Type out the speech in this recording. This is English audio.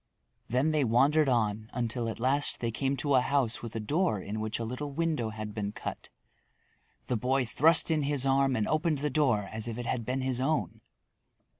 Then they wandered on until at last they came to a house with a door in which a little window had been cut. The boy thrust in his arm and opened the door as if it had been his own.